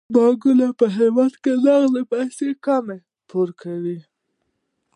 بانکونه په هیواد کې د نغدو پيسو کمی پوره کوي.